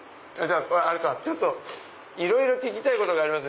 ちょっといろいろ聞きたいことがあります。